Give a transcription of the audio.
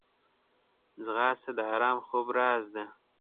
ځغاسته د ارام خوب راز ده